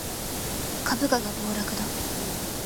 株価が暴落だ